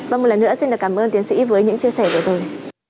vâng một lần nữa xin cảm ơn tiến sĩ với những chia sẻ vừa rồi